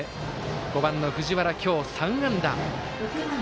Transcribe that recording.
５番の藤原、今日３安打。